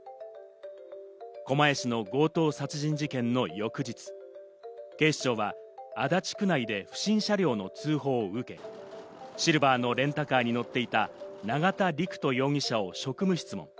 狛江市の強盗殺人事件の翌日、警視庁は足立区内で不審車両の通報を受け、シルバーのレンタカーに乗っていた永田陸人容疑者を職務質問。